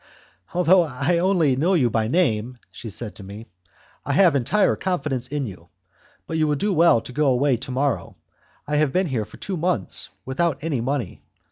"Although I only know you by name," she said to me, "I have entire confidence in you, but you will do well to go away to morrow. I have been here for two months without any money.